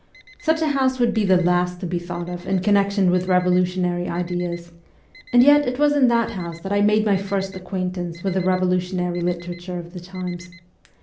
Such a house would be the last to be thought of in connection with revolutionary ideas ; and yet it was in that house that I made my first acquaintance with the revolutionary literature of the times.